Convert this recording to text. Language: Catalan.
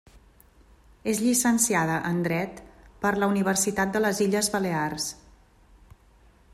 És llicenciada en Dret per la Universitat de les Illes Balears.